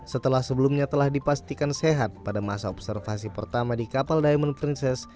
setelah sebelumnya telah dipastikan sehat pada masa observasi pertama di kapal diamond princess